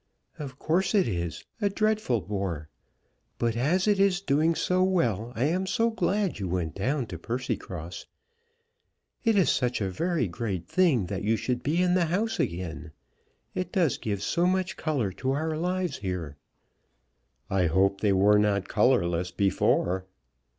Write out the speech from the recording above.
"Of course it is, a dreadful bore. But as it is doing so well, I am so glad that you went down to Percycross. It is such a great thing that you should be in the House again. It does give so much colour to our lives here." "I hope they were not colourless before."